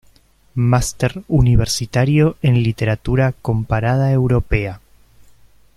Máster Universitario en Literatura Comparada Europea.